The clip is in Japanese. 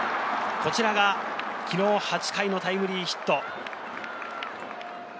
こちらが昨日、８回のタイムリーヒット。